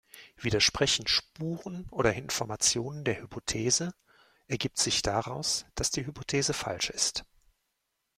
Widersprechen Spuren oder Informationen der Hypothese, ergibt sich daraus, dass die Hypothese falsch ist.